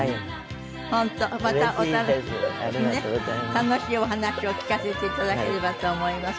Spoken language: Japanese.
楽しいお話を聞かせていただければと思います。